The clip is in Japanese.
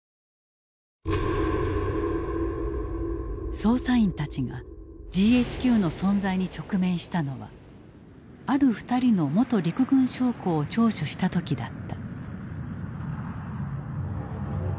捜査員たちがＧＨＱの存在に直面したのはある２人の元陸軍将校を聴取した時だった。